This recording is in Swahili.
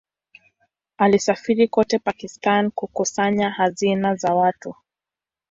Alisafiri kote Pakistan kukusanya hazina za watu.